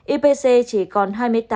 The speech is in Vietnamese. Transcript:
ipc chỉ còn hai mươi tám tám